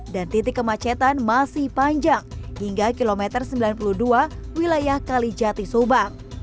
dan titik kemacetan masih panjang hingga kilometer sembilan puluh dua wilayah kalijati subang